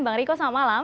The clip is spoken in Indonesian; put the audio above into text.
bang riko selamat malam